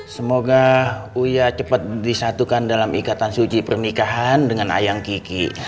semoga uya cepat disatukan dalam ikatan suci pernikahan dengan ayang kiki